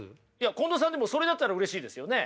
近藤さんでもそれだったらうれしいですよね。